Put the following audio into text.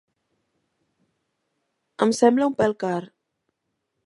Em sembla un pèl car.